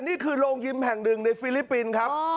นี่คือโรงยิมแห่งหนึ่งในฟิลิปปินส์ครับ